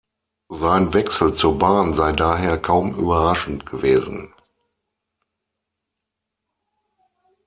Sein Wechsel zur Bahn sei daher kaum überraschend gewesen.